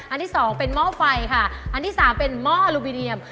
อันที่สองเป็นหม้อไฟค่ะอันที่สามเป็นหม้ออลูบิเนียม